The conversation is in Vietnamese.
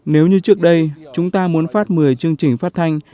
nếu như trước đây chúng ta muốn phát một mươi chương trình phát thanh